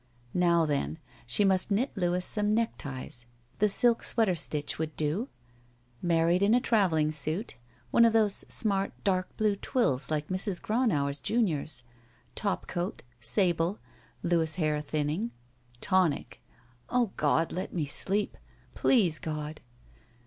Now then: She must knit Louis some neckties. The silk sweater stitch would do. Married in a traveling suit. One of those smart dark blue twills like Mrs. Gronauer, junior's. Topcoat — sable. Louis' hair thinning. Tonic. O God! let me sleep I Please, God